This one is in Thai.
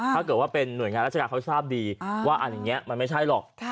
ถ้าเกิดว่าเป็นหน่วยงานราชการเขาทราบดีว่าอย่างนี้มันไม่ใช่หรอก